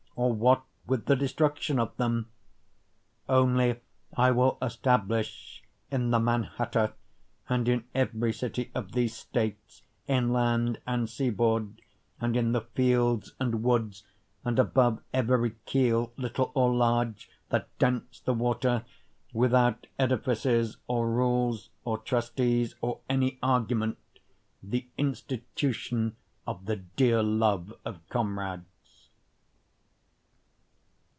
or what with the destruction of them?) Only I will establish in the Mannahatta and in every city of these States inland and seaboard, And in the fields and woods, and above every keel little or large that dents the water, Without edifices or rules or trustees or any argument, The institution of the dear love of comrades.